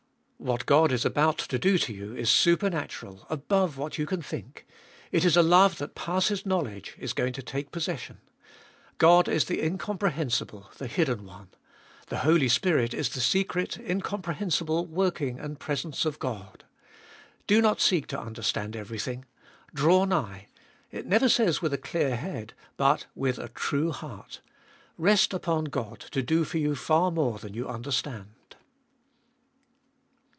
What God is about to do to you is supernatural, above what you can think. It is a love that passes knowledge is going to take possession. God is the incom prehensible, the hidden One. The Holy Spirit is the secret, incomprehensible working and presence of God. Do not seek to understand everything. Draw nigh — it never says with a clear head, but with a true heart Rest upon God to do for you far more than you understand.